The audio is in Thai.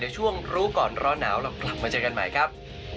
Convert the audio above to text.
ช่วงรู้ก่อนร้อนหนาวเรากลับมาเจอกันใหม่ครับ